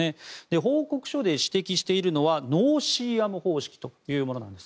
報告書で指摘しているのはノーシーアム方式というものなんです。